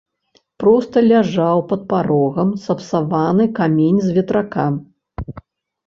Проста ляжаў пад парогам сапсаваны камень з ветрака.